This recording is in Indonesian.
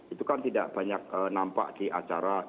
itu kan tidak banyak nampak di acara